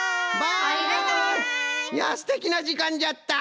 いやすてきなじかんじゃった！